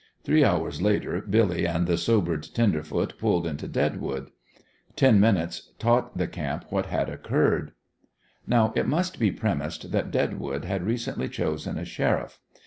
Three hours later Billy and the sobered tenderfoot pulled into Deadwood. Ten minutes taught the camp what had occurred. Now, it must be premised that Deadwood had recently chosen a sheriff.